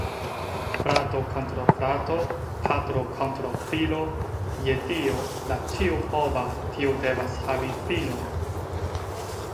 Frato kontraŭ frato, patro kontraŭ filo; je Dio, la ĉiopova, tio devas havi finon!